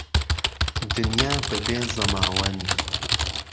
دنیا به بێ زهماوهند